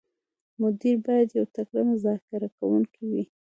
مدیر باید یو تکړه مذاکره کوونکی وي.